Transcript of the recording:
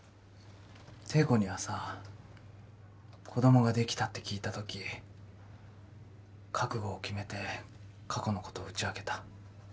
汀子にはさ子供ができたって聞いたとき覚悟を決めて過去のこと打ち明けた